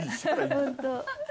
本当。